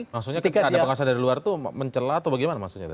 maksudnya ketika ada pengesahan dari luar itu mencela atau bagaimana maksudnya